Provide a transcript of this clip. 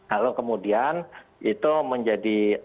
lalu kemudian itu menjadi